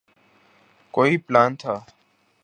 کوئی پلان تھا۔